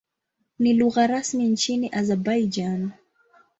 Ni lugha rasmi nchini Azerbaijan.